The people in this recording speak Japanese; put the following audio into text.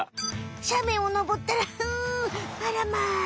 しゃめんをのぼったらうあらま。